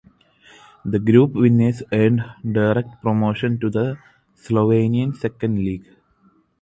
The group winners earned direct promotion to the Slovenian Second League.